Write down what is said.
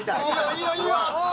いいよいいよ。